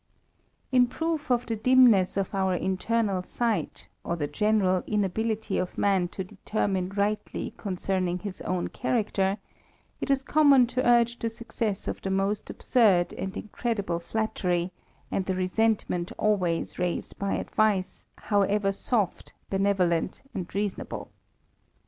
Jn proof of the 'dimness of our internal sight, or the general inability of man to determine rightly concerning his ^im character, it is common to urge the success of the most Absurd and incredible flattery, and the resentment always »aised by advice, however soft, benevolent, and reasonable.